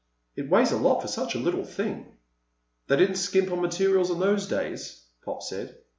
It weighs a lot for such a little thing." "They didn't skimp on materials in those days," Pop said.